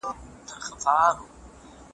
شاګرد کولای سي خپله موضوع پخپله وڅېړي.